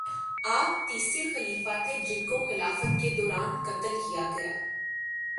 آپ تیسرے خلیفہ تھے جن کو خلافت کے دوران قتل کیا گیا